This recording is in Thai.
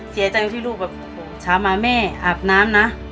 เสียใจที่ลูกชาวมาแม่อาบน้ำนะ